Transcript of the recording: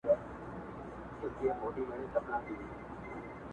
o اوس پر ما لري.